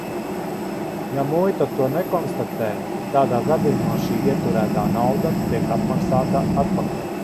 Ja muita to nekonstatē, tādā gadījumā šī ieturētā nauda tiek atmaksāta atpakaļ.